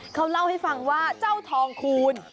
เขาเล่าให้ฟังว่าเจ้าทองคูณ